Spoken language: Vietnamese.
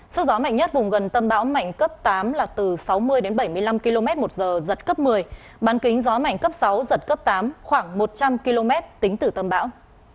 sức gió mạnh nhất vùng gần tâm bão mạnh cấp tám là từ sáu mươi đến bảy mươi năm km một giờ giật cấp một mươi bán kính gió mạnh cấp sáu giật cấp tám khoảng một trăm linh km tính từ tâm bão